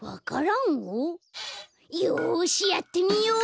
よしやってみよう！